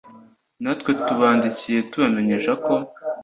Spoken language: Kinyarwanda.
natwe tubandikiye tubamenyesha ko